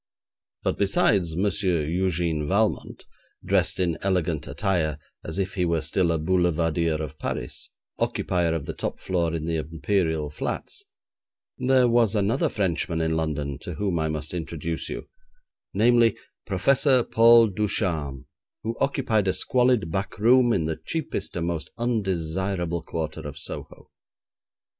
But besides M. Eugène Valmont, dressed in elegant attire as if he were still a boulevardier of Paris, occupier of the top floor in the Imperial Flats, there was another Frenchman in London to whom I must introduce you, namely, Professor Paul Ducharme, who occupied a squalid back room in the cheapest and most undesirable quarter of Soho.